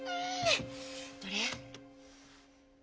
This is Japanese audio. どれ。